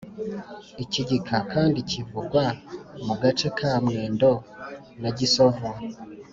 igikiga kandi kivugwa mu gace ka mwendo na gisovu